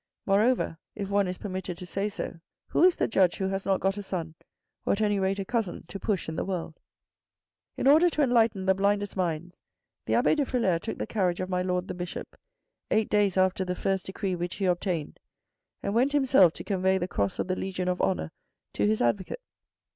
Moreover, if one is permitted to say so, who is the judge who has not got a son, or at any rate a cousin to push in the world ? In order to enlighten the blindest minds the abbe de Frilair took the carriage of my Lord the Bishop eight days after the first decree which he obtained, and went himself to convey the cross of the Legion of Honour to his advocate.